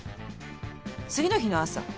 次の日の朝。